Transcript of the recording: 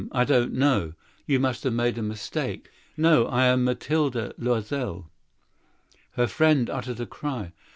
—I do not know—You must have mistaken." "No. I am Mathilde Loisel." Her friend uttered a cry.